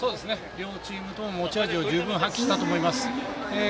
両チームとも持ち味を十分発揮したと思います。